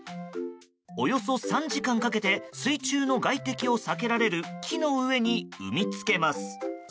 およそ３時間かけて水中の外敵を避けられる木の上に産み付けます。